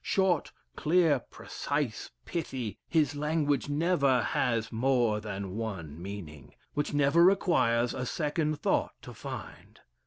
Short, clear, precise, pithy, his language never has more than one meaning, which never requires a second thought to find.